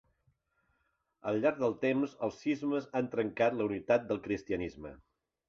Al llarg del temps, els cismes han trencat la unitat del Cristianisme.